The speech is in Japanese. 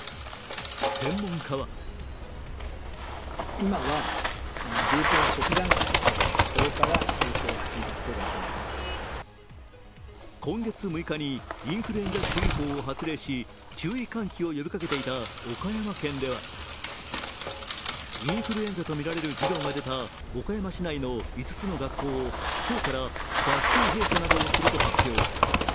専門家は今月６日にインフルエンザ注意報を発令し注意喚起を呼びかけていた岡山県ではインフルエンザとみられる児童が出た岡山市内の５つの学校を今日から学級閉鎖などをすると発表。